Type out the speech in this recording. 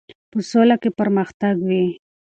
په سوله کې پرمختګ وي.